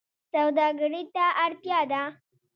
سوداګرۍ ته اړتیا ده